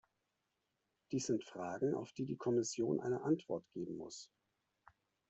Dies sind Fragen, auf die die Kommission eine Antwort geben muss.